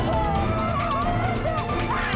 mulai mulai mulai